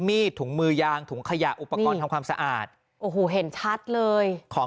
มีดถุงมือยางถุงขยะอุปกรณ์ทำความสะอาดโอ้โหเห็นชัดเลยของ